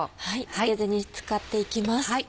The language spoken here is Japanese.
捨てずに使っていきます。